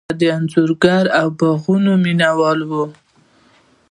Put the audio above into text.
هغه د انځورګرۍ او باغونو مینه وال و.